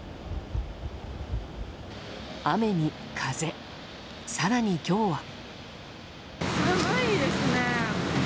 雨に風、更に今日は。